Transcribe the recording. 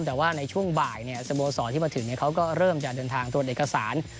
แต่ว่าในช่วงบ่ายสโมสรที่มาถึงเขาก็เริ่มจะเดินทางตรวจเอกสาร